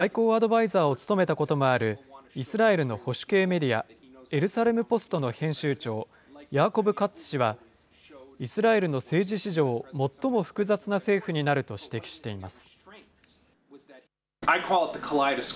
ベネット氏の外交アドバイザーを務めたこともある、イスラエルの保守系メディア、エルサレム・ポストの編集長、ヤーコブ・カッツ氏は、イスラエルの政治史上最も複雑な政府になると指摘しています。